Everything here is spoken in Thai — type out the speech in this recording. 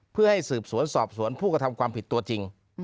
เพื่อให้สืบสวนสอบสวนผู้กระทำความผิดตัวจริง